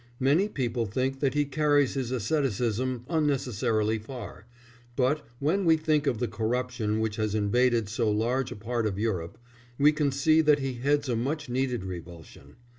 Many people think that he carries his asceticism unnecessarily far, but, when we think of the corruption which has invaded so large a part of Europe, we can see that he heads a much needed revulsion.